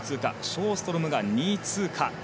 ショーストロムが２位通過。